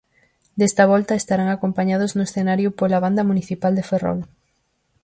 Desta volta, estarán acompañados no escenario pola Banda Municipal de Ferrol.